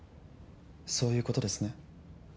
そういうことですね。